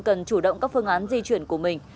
cần chủ động các phương án di chuyển của mình